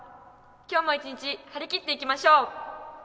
今日も一日張り切っていきましょう。